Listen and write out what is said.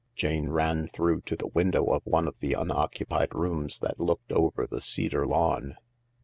Jane ran through to the window of one of the unoccupied rooms that looked over the cedar lawn.